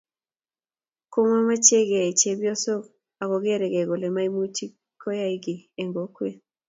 komamachegei chepyosok ago geregeei kole maimuchi koyey giiy eng kokwet